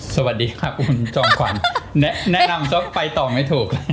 สวัสดีค่ะอุ้นจองขวานแนะนำเพราะเราไปต่อไม่ถูก